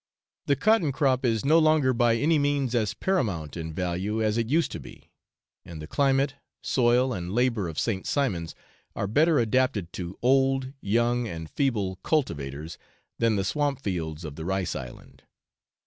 The cotton crop is no longer by any means as paramount in value as it used to be, and the climate, soil, and labour of St. Simon's are better adapted to old, young, and feeble cultivators, than the swamp fields of the rice island.